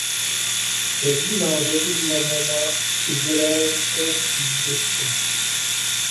Její název znamená "Izraelské příbytky".